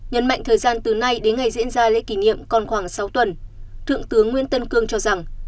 nhấn mạnh thời gian từ nay đến ngày diễn ra lễ kỷ niệm còn khoảng sáu tuần thượng tướng nguyễn tân cương cho rằng